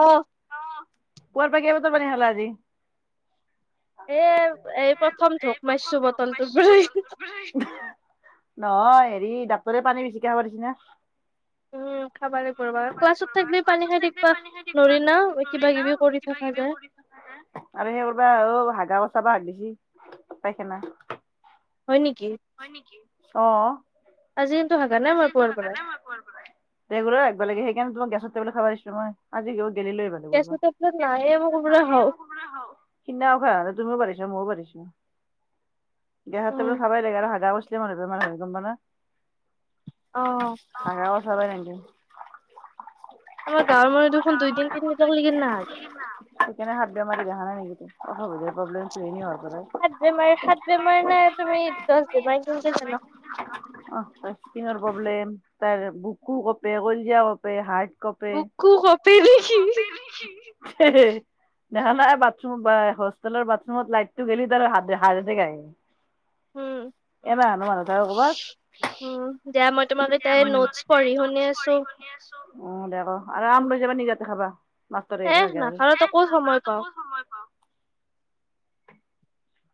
অ', কুৱাৰ পৰা কেইবতল পানী খালা আজি? এ এই প্ৰথম ঢোক মাৰছো বটলটোৰ পৰা নহয় হেৰি ডাক্তৰে পানী বেছিকে খাব দিছে না। উম, খাবাৰে কৰিবা, কুৱা উচৰত থাকলে পানী খাই থাকিবা নৰি না কিবা কিবি কৰি থকা যায়। আৰু সেই কৰিবা অ', হাগাও চাবা হাগ দিছি পাইখানা হয় নেকি? হয় নেকি? অ', আজি কিন্তু হাগা নাই মই পুৱাৰ পৰাই। ৰেগুলাৰ হাগবা লাগে সেই কাৰণে তোমাক গেছৰ টেবলেট খাবা দিছিলোঁ মই, আজি গেলে লৈ আহিবা। [unintelligible] [unintelligible] তুমিও পাৰিছা ময়ো পাৰিছো। ইহঁতে মানে [unintelligible] [unintelligible] আমাৰ গাঁৱৰ মানুহ দেখোন দুইদিন তিনদিন লৈকে নাহাগে। সেইকাৰনে [unintelligible] বেমাৰি দেখা নাই নেকি? অসুবিধাই প্ৰব্লেমো এই হোৱাৰ পৰা। সাত বেমাৰী সাত বেমাৰী নাই তুমি দশ বেমাৰী [unintelligible] জান? অ', তাৰ স্কিনৰ প্ৰব্লেম তাৰ বুকু কপে কলিজা কপে হাৰ্ট বুকু কপে নেকি? [unintelligible] দেখা নাই বাথৰুম বা হোষ্টেলৰ বাথৰুমত লাইটটো [unintelligible] কেনেকা তোমা দেঠাইৰ খবৰ? উম' দিয়া মই তোমাক এতিয়াই নোটছ পঢ়ি শুনাই আছো। উম' দে ক আৰাম লৈ যাবা নিজে দেখাবা মাষ্টৰে- ক'ত সময় পাওঁ?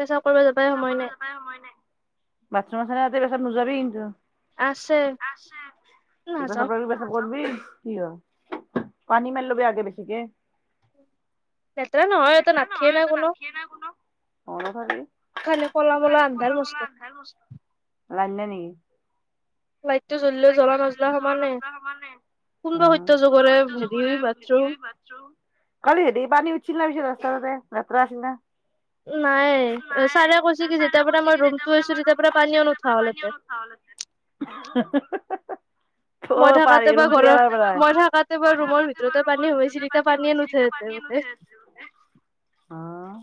পেচাপ কৰিব যাবাই সময় নাই। বাথৰুমৰ ছাইতে আজি পেছাব নেযাবি কিন্তু। আছে- পৰবি পিছল, পানী মাৰি লবি আগে বেছিকে। লেতেৰা নহয় ইয়াতে নাথাকে নহয় কোনো। কেনাই কোন অ'। অনতাৰ যি- কাইলে ক'লা মলা আন্ধাৰ মস্ত। লাইন নাই নেকি। লাইটটো জ্বলিলেও জ্বলা নজলা সমানে। তোমা নাই। কোনবা সত্য যুগৰে হেৰি অই বাথৰুম- কালি হেদি পানী উঠছিল না পিছৰ ৰাস্ত দে লেতৰা আছিল না। নাই তাপিছত এনেকে কৈছে কি যেতিয়াৰ পৰা মই ৰুমটোত আছো তেতিয়াৰ পৰা পানী অলপ খাবলৈ নাই। ওমহ' হে হে হে। মই থাকাতে বা ঘৰত- মই থাকাতে বা ৰুমৰ ভিতৰতে পানী হৈছিল এতিয়া পানীয়ে নুঠেঁতে বোলে। অহ'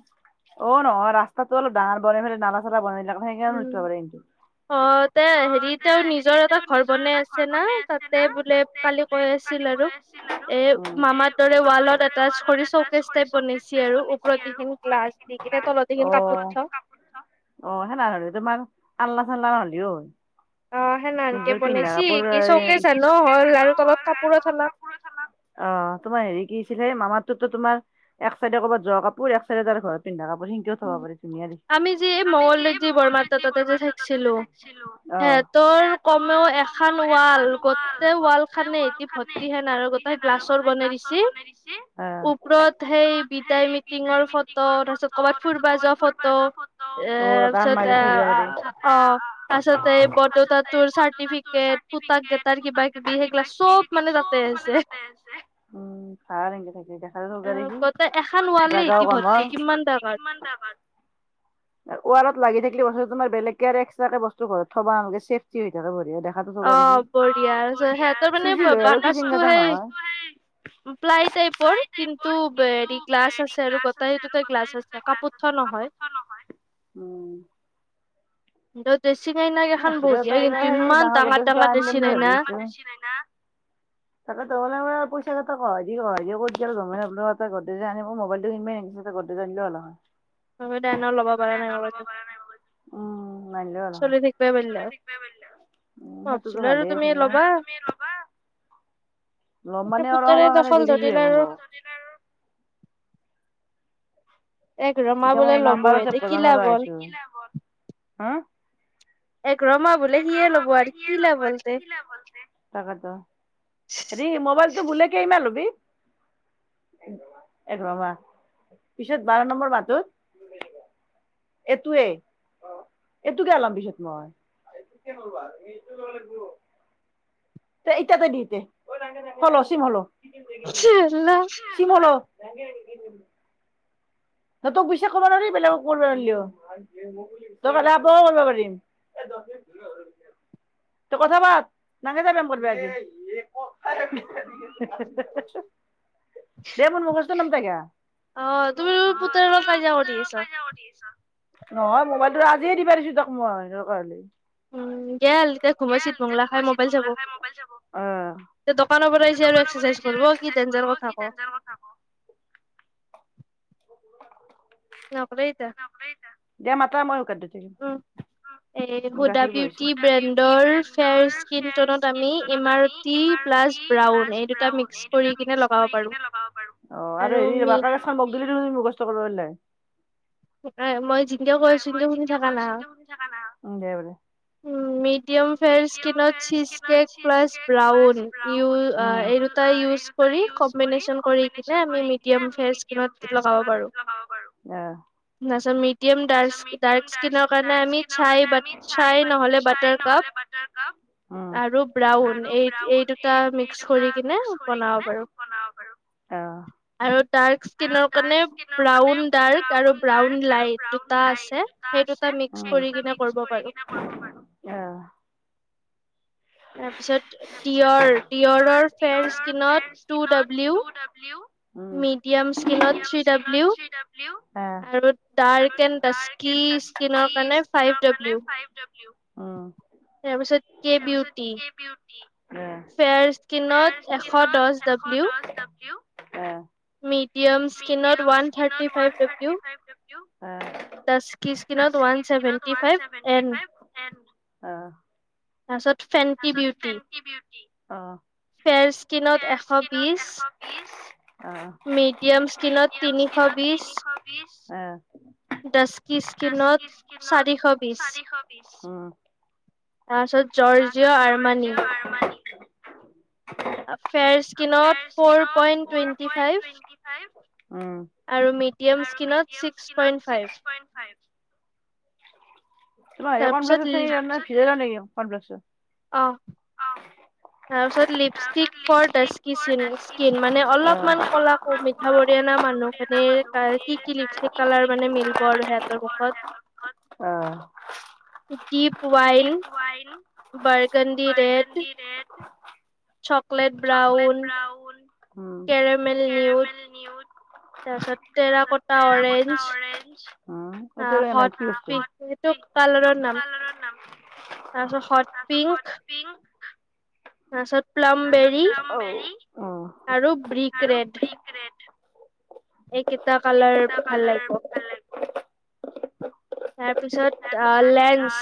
অ নহয় ৰাস্তাটো অলপ ডাঙৰ বনাই পিনে নালা চালা বনাই- ভেগা নোথ পাৰে কিন্তু। অ তে হেৰি তেওঁ নিজৰ এটা- নিজৰ এটা ঘৰ বনাই আছে না তাতে বোলে কালি গৈ আছিল আৰু আৰু। আমাৰ দৰে ৱালত এটাচ ঘৰি চৌকেচ‌ টাইপ বনাইছে আৰু ওপৰত যিখিনি গ্লাছ দি কিনে তলত- দেখিন কাপোৰ থ- অঁ' আলনা চালনা ভালে অও। অঁ সেনানকে বনাইছি কি চৌকেচ আনো হল আৰু তলত কাপোৰৰ তলত- অঁ তোমাৰ হেৰি কি হৈছিলে মামাতটোতো তোমাৰ- এক চাইডে ক'বাত যোৱা কাপোৰ এক চাইডে তাৰ ঘৰত পিন্ধা কাপোৰ- ভিতৰতে থব পাৰি ধুনীয়া দেখিছে। আমি যে মঙলদৈত যে বৰমাহত তাতে যে থাকিছিলো, অঁ' তৰ কমেও এখন ৱাল গোটেই ৱাল খানে এটি ভৰ্তিহেন আৰু। তয় গ্লাছৰ বনাই দিছে ওপৰত সেই বিদায় মিটিঙৰ ফটো তাপিছত- ক'বাত ফুৰবা যোৱা ফটো এ পিছত এ আ অহ। তাছতে বদউত তৰ চাৰ্টিফিকেট পুতাক গেইটাৰ কিবা কিবি সেইগিলাক চব মানে তাতে আছে। তাতে আছে। উম' গাজাও খাবা। ৱা'লত লাগে যে। বস্তু তোমাৰ বেলেগকে আৰু এক্ট্ৰাকে বস্তু ঘৰত থব নালেগে চেফটি হৈ থাকে। অঁ বঢ়ীয়া চ হেঁতৰ মানে বাকচটো সেই- প্লাই টাইপৰ কিন্তু, হেৰি গ্লাছ আছে আৰু গটেইটোতেই গ্লাছ আছে। এ কাপোৰ থোৱা নহয়। ত' নহয়। উম' দ দেচিং আইনা গেখন বঢ়িয়া কিন্তু ইমান ডাঙৰ ডাঙৰ দেচিং আইনা। ভা হয়ছি মাইনা তাকেতু তমানে পইচা কথা কয় যি কয় দি কয় ক মই ভাবলো গডৰেচ আনিব মোবাইলটো কিনিবাই এ গডৰেজ নানিলেও নহয় মো ইতা এনেও ল'ব পৰা নাই মোবাইল-চোব উম নানলেও হল হয় চুলি থাকবা পাৰলে হয় ভাবিছিলো আৰু তুমি লবা এতিয়া পুতেৰে দখল ধৰিলে আৰু এতিয়া মই লাাম্বাৰ ওচৰত যাবা নৱাৰা হৈছো হা [unintelligible] এক ৰমা বোলে সিয়ে ল'ব আৰ কি লাভ হ'ল তে‌ তাকাটো হেৰি মোবাইলটো বোলে কেমা ল'বি এঘাৰ মাহ পিছত বাৰ নম্বৰ মাহটো এইটোৱেই এইটোকে ওলাম পিছত মই [unintelligible] এতিয়া তই দিতে ঐ নালগে নালগে হঅ ল চিমৌ ল চিআল লাহ চিমৌ ল নালগে হে তোক বিশ্বাস কৰব নোৱাৰি বেলেগক কৰিব জানলেও ত বালে আতৌ কৰব পাৰিম এ দছ মিনিট [unintelligible] [unintelligible] ত কথা পাত [unintelligible] দে মোৰ মোৰ বস্তু [unintelligible] অ তুমি নো পুতেৰৰ লগত কাইজিয়া কৰি আছ নহয় মোবাইলটো আজিয়েই দিবা দিছো তাক মই দৰকাৰ হ'লে এ এনকে ঘোমাইছি কমলা খাই মোবাইল চাব অহ। দোকানৰ পৰা আহিছে আৰু এক্সেচাইজ ক'ৰব কি ডেঞ্জাৰ কথা ক নকৰে এইতা নকৰে এইতা দিয়া মাত্ৰ মই শুকান দি দিম এ হুদা বিউটি ব্ৰেণ্ডৰ ফেয়াৰ স্কিন টনত আমি ইমাৰ ইমাৰটি প্লাচ ব্ৰউন এইদুটা মিক্স কৰি কিনে লগাব পাৰো। আৰু হেৰি বাকেৰে মক দিলি যদি ম কষ্ট কৰব পাৰলো হয় এ মই যিনকে কৈ আছো সিনকে শুনি থাকা না শুনি থাকা না উম দে বোলো উম মিডিয়ম ফেৰ স্কিনত চিচ কেক প্লাছ ব্ৰাউন ইও আ এই টা ইউজ কৰি কম্বিনেশ্যন কৰি কিনে আমি মিডিয়াম ফেয়াৰ স্কিনত ফেয়াৰ স্কিনত লগাব পাৰো অ তাছত মিডিয়াম ড্ৰাছ ড্ৰাক স্কিনৰ কাৰণে আমি চাই বাট চাই নহলে বাট তাৰকাব উম, আৰু ব্ৰাউন এই এইদুটা মিক্স কৰি কিনে বনাব পাৰো। অ আৰু ড্ৰাক স্কিনৰ কানে ব্ৰাউন ডাৰ্ক তাৰু ব্ৰাউন লাইট দুটা আছে সেই দুটা মিক্স কৰি কিনে কৰিব পাৰো। তাৰপিছত টিয়ৰ টিয়ৰৰ ফেৰ স্কিনত টু ডাব্লিউ ডাব্লিউ মিডিয়াম স্কিনত থ্ৰী ডাব্লিউ আৰু ডাৰ্ক এণ্ড ডাস্কি স্কিনৰ কাৰণে ফাইভ ডাব্লিউ তাৰপিছত কে বউটি। বউটি ফেয়াৰ স্কিনত এশ দচ ডব্লিউ মিডিয়াম স্ক্ৰীনত ওৱান থাৰ্টি ফাইভ দাব্লিও। বা দা কি স্কিনত ওৱান চছেভেণ্টি ফাইভ এন আ। তাৰপিছত ফেণ্টি বিউটি। অ। ফেয়াৰ স্কিনত এশ বিশ। মিডিয়াম স্কীনত তিনিশ বিশ। ইছ আহ। ডাস্কি স্কিনত চাৰিশ বিশ। উম। তাৰপিছত তাৰপাছত জৰ্জিঅ আৰমানি। ফেয়াৰ স্কিনত ফ'ৰ পইন্ট টুৱেণ্টি ফাইভ। [unintelligible] অহ। আৰু মিডিয়াম স্কিনত ছিক্স পইণ্ট ফাইভ। তোমাৰ কনপ্লেছে নে কি [unintelligible] অঁ। তাৰপিছত লিপষ্টিক ফৰ ডাস্কি স্কিন মানে অলপমান কলা অ মিঠা বৰিয়ানা মানুহখিনিৰ কাৰ কি কি লিপষ্টিক কালাৰ মানে মিলিব আৰু সিহঁতৰ মুখত। আহ। কিপ wine burgundy the red. Chocolate brown. Caramel nude. নিউজ। তাৰপিছত টেৰা কটা অৰেঞ্জ, অহ। আ হট পিংটো কালাৰৰ নাম। তাৰ পিছত হট পিংক, পিংক। তাৰপিছত প্লামবেৰী আৰু ব্ৰিক্ৰৰেড। ৰেট এইকেইটা কালাৰ ভাল লাগিব। তাৰপিছত আহ লেন্স।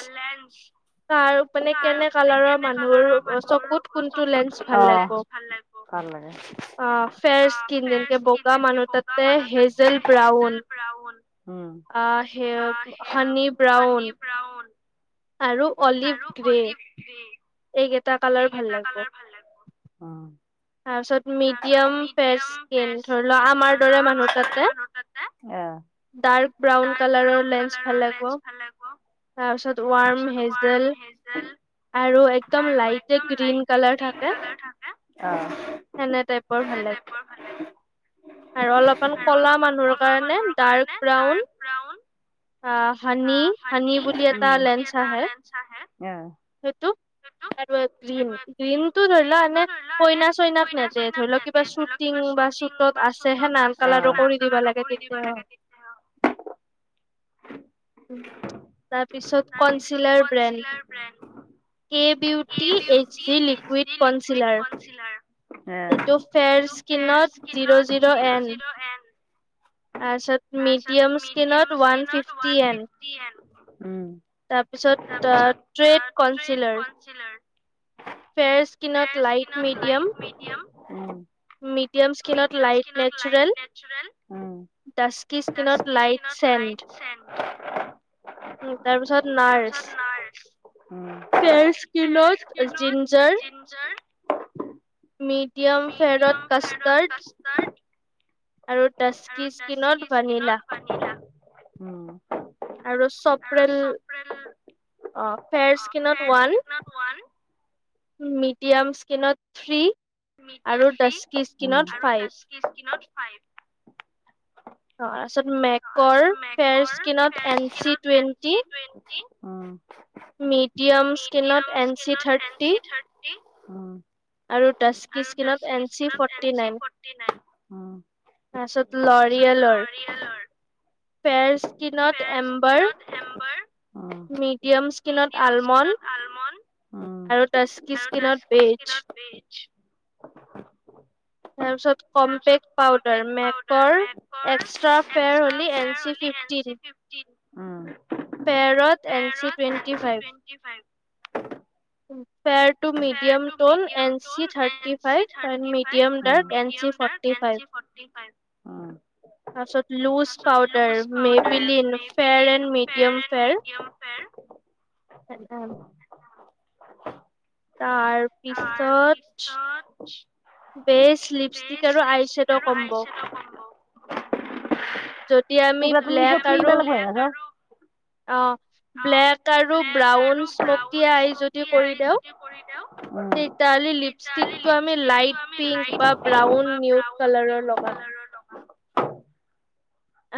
তাৰমানে কেনে কালাৰৰ মানুহৰ চকুত কোনটো লেন্স ভাল লাগিব। আ ফেয়াৰ স্কিন যেনেকে বগা মানুহ তাতে হেজেল ব্ৰাউন, উম। আঁহ সেয়া হানী ব্ৰাউন। আৰু অলিভ গ্ৰেই এইকেইটা কালাৰ ভাল লাগব। ভাল লাগিব। অহ। তাৰপাছত মিডিয়াম ফেচ স্কিন ধৰি লোৱা আমাৰ দৰে মানুহ তাতে ডাৰ্ক ব্ৰাউন কালাৰৰ লেন্স ভাল লাগিব তাৰপিছত ৱাৰ্ম হেজেল আৰু একদম লাইট এ গ্ৰীন কালাৰ থাকে অ সেনে টাইপৰ ভাল লাগিব আৰু অলপমান ক'লা মানুহৰ কাৰণে ডাৰ্ক ব্ৰাউন [unintelligible] আহ হানি হানি বুলি এটা লেন্স আহে সিটো তাৰপিছত গ্ৰীণ গ্ৰীণতটো ধৰি লোৱা নে কইনা চইনাক নেদিয়ে ধৰি লও কিবা চুট টিং বা চুটত আছে সেই নান কালাৰো কৰি দিব লাগে তেতিয়া হয় তাৰপিছত কনচিলাৰ ব্ৰেণ্ড কে beauty H D liquid concealer [unintelligible] এইটো ফেৰ স্কিনত জিৰ' জিৰ' এন এম [unintelligible] তাৰছত মিডিয়াম স্কিনত ওৱান ফিফটি এন উম তাৰপিছত ট্ৰেড কাউঞ্চিলাৰ চিলাৰ ফেয়ৰ স্কিনত লাইট মিডিয়াম হেল্ল মিডিয়াম স্কিনত লাইট নেচাৰেল ডাস্কি স্কিনত লাইট চেণ্ড তাৰ পিছত নাই আৰু পেয়াচ স্কিনত জিঞ্জাৰ [unintelligible] মিডিয়াম ফেৰৰত কাষ্টাৰ্ড আৰু ডাস্কি স্কিনত স্কিনত পানী [unintelligible] ওম আৰু চপ্ৰল অ ফেয়াৰ স্কিনত ওৱান মিডিয়াম স্কিনত থ্ৰী আৰু ডাস্কি স্কিনত ফাইভ [unintelligible] ফাইভ অ তাৰপছত মেক তাৰপিছত মেকৰ ফ্ৰেন স্কিনত এন চি টুৱেণ্টি মিডিয়াম স্কিনত এন চি থাৰ্টি উম আৰু ডাস্কি স্কিনত এন চি ফৰ্টি নাইন [unintelligible] তাৰপিছত লৰিয়েলৰ ফেৰ স্কিনত এম্বাৰ মিডিয়াম স্কিনত আলমণ্ড আৰু ডাস্কি স্কিনত মেৰীজ তাৰ পিছত কমেক্ পাউডাৰ মেকৰ এক্সট্ৰা ফে হ এন চি ফিফটিন পেৰত N C twenty five. Fair to medium ল এন চি থাৰ্টি ফাইভ এ medium dark. Medium dark N C forty five. তাৰপিছত loose powder, Maybelline four and medium fair. হা [inaudible] অ [inaudible] তাৰ পিছত। বেচ লিপষ্টিক আৰু আইশ্বেডৰ কম্ব। যদি আমি ফ্লেক আৰু হয়। অ' ব্লেক আৰু ব্ৰাউন স্মকি আই যদি কৰি দেও তেতিয়া হলে লিপষ্টিক টো আমি লাইট পিংক বা ব্ৰাউন নিউ কালাৰৰ লগাম।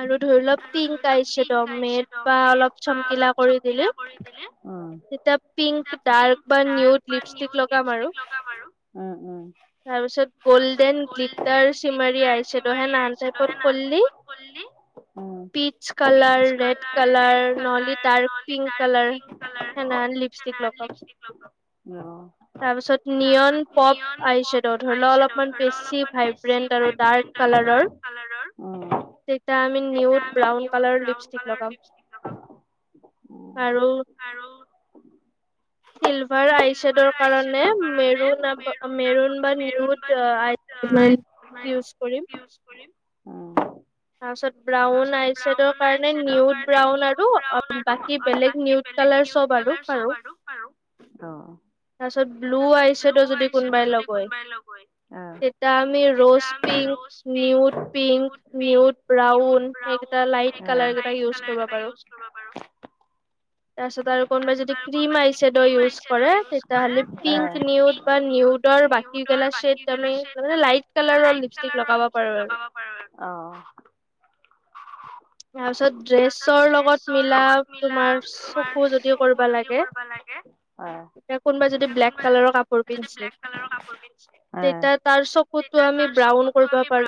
আৰু ধৰি অলপ পটিং কিছে দমেট বা অলপ চমকিলা কৰি দিলি। তেতিয়া পিংক ডাৰ্ক বা নিউড লিপষ্টিক লগাম আৰু। তাৰ পিছত গল্ডেন গ্লিটাৰ চিমাৰী আহিছে ত হে ন আন টাইপত কললি [inaudible] really [inaudible] pinch colour, red colour নহলে ডাৰ্ক পিংক কালাৰ। িক [unintelligible] তাৰপিছত নিয়ন পপ আইছে্বড ধৰি লোৱা অলপমান বেছি ভাইব্ৰেণ্ট আৰু ডাৰ্ক। কালাৰৰ। কালাৰৰ। তেতিয়া আমি নিউত ব্ৰাউন কালাৰ লিপষ্টিক লগাম। আৰু। চিলভাৰ আইছে্বেডৰ কাৰণে মেৰুন মেৰুন বা নিউড আই [unintelligible] ইউজ কৰিম অঁ। তাৰপিছত ব্ৰাউন আইছেডৰ কাৰণে নিউড ব্ৰাউন আৰু বাকী বেলেগ নিউড বেলেগ নিউড কালাৰ চব আৰু তাৰিছত ব্লু আহিছেতটো যদি কোনোবাই ল তেতিয়া আমি ৰজ [inaudible] pink. Nude pink nude brown light colour কিতা ইউজ কৰিব পাৰ। তাৰপিছত আৰু কোনোবাই যদি ক্ৰীম আইছেডো ইউজ কৰে তেতিয়াহলে পিংক নিউড বা নিউডৰ বাকী কালাৰ শ্বেড আমি মানে লাইট কালাৰৰ লিপষ্টিক লগাব পাৰো আৰু। [unintelligible] অ তাৰ পিছত ড্ৰেছৰ লগত মিলা তোমাৰ চকু যদি কৰিবা লাগে। এতিয়া কোনোবাই যদি ব্লেক কালাৰৰ কাপোৰ পিন্ধিছে। তেতিয়া তাৰ চকুতো আমি ব্ৰাউন কৰিব পাৰো।